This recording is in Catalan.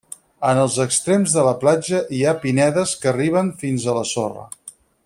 En els extrems de la platja hi ha pinedes que arriben fins a la sorra.